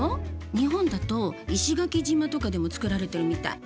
日本だと石垣島とかでも作られてるみたい。